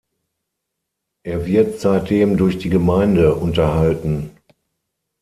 Er wird seitdem durch die Gemeinde unterhalten.